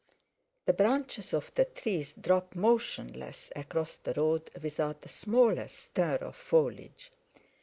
The branches of the trees dropped motionless across the road without the smallest stir of foliage.